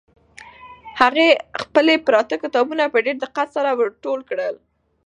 هغې خپل پراته کتابونه په ډېر دقت سره ور ټول کړل.